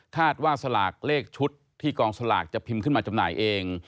ว่าสลากเลขชุดที่กองสลากจะพิมพ์ขึ้นมาจำหน่ายเอง